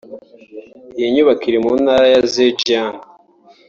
Iyi nyubako iri mu Ntara ya Zhejiang